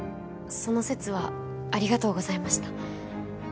その節はありがとうございました